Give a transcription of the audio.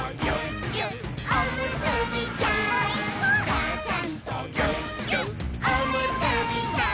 「ちゃちゃんとぎゅっぎゅっおむすびちゃん」